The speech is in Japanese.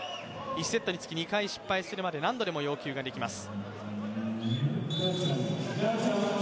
１セットにつき２回失敗するまで、何度でも要求ができます。